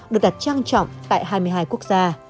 được đặt trang trọng tại hai mươi hai quốc gia